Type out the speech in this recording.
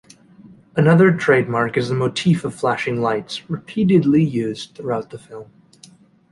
Another trademark is the motif of flashing lights, repeatedly used throughout the film.